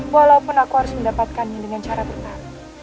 walaupun aku harus mendapatkannya dengan cara tetap